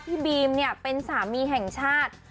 พี่บีมเนี่ยเป็นสามีแห่งชาติ